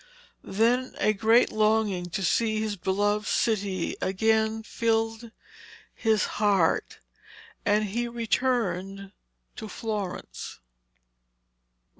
Then a great longing to see his beloved city again filled his heart, and he returned to Florence.